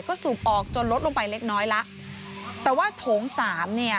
ก็สูบออกจนลดลงไปเล็กน้อยแล้วแต่ว่าโถงสามเนี่ย